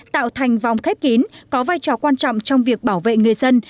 tạo thành vòng khép kín có vai trò quan trọng trong việc bảo vệ người dân